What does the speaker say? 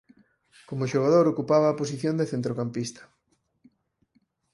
Como xogador ocupaba a posición de centrocampista.